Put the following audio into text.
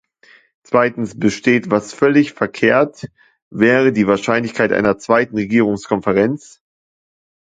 Zweitens, besteht was völlig verkehrt wäre die Wahrscheinlichkeit einer zweiten Regierungskonferenz?